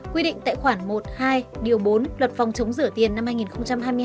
quy định tại khoản một hai bốn luật phòng chống rửa tiền năm hai nghìn hai mươi